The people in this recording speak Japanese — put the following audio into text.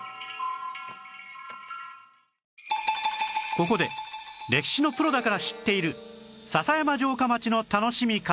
ここで歴史のプロだから知っている篠山城下町の楽しみ方